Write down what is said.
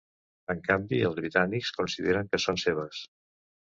En canvi, els britànics consideren que són seves.